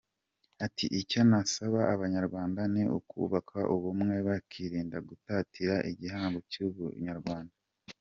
Ati “icyo nasaba Abanyarwanda ni ukubaka ubumwe bakirinda gutatira igihango cy’Ubunyarwanda”.